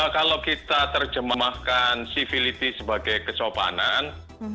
kalau kita terjemahkan civility sebagai kesopanan